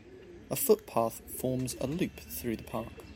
A foot path forms a loop through the park.